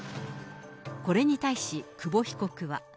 これに対し久保被告は。